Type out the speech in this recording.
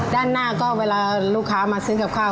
ด้านหน้าก็เวลาลูกค้ามาซื้อกับข้าว